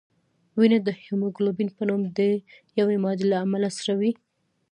وینه د هیموګلوبین په نوم د یوې مادې له امله سره وي